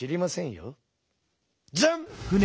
ジャン！